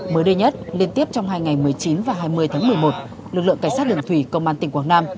mới đây nhất liên tiếp trong hai ngày một mươi chín và hai mươi tháng một mươi một lực lượng cảnh sát đường thủy công an tỉnh quảng nam